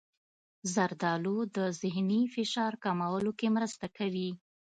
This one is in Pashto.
زردالو د ذهني فشار کمولو کې مرسته کوي.